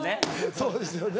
そうですよね